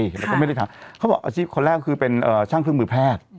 แล้วก็ไม่ได้ถามเขาบอกอาชีพคนแรกคือเป็นช่างเครื่องมือแพทย์